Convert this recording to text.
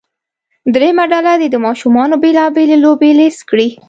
دریمه ډله دې د ماشومانو بیلا بېلې لوبې لیست کړي.